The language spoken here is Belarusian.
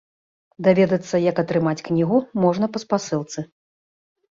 Даведацца, як атрымаць кнігу, можна па спасылцы.